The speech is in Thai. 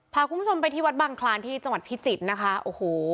พาคุณผู้ชมไปที่วัดบังคลานที่จังหวัดพิจิตรนะคะโอ้โห